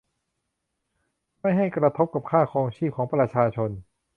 ไม่ให้กระทบกับค่าครองชีพของประชาชน